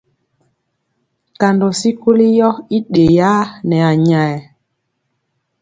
Kandɔ sikoli yɔ i ɗeyaa nɛ anyayɛ.